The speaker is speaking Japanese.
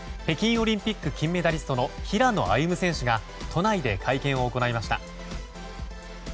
北京オリンピック金メダリストの平野歩夢選手が都内で会見を行いました。